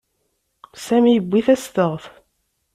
Sami yewwi tastaɣt.